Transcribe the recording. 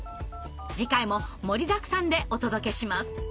次回も盛りだくさんでお届けします。